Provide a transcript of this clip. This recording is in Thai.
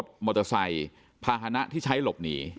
รถมอเตอร์ไซค์ภาษณะที่ใช้หลบหนี